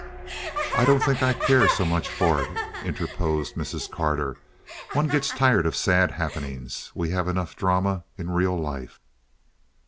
"I don't think I care so much for it," interposed Mrs. Carter. "One gets tired of sad happenings. We have enough drama in real life."